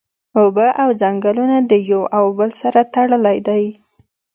اوبه او ځنګلونه د یو او بل سره تړلی دی